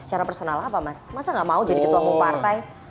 secara personal apa mas masa gak mau jadi ketua umum partai